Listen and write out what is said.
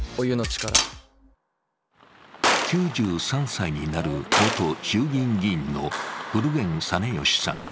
９３歳になる元衆議院議員の古堅実吉さん。